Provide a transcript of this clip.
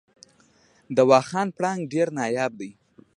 د واخان پړانګ ډیر نایاب دی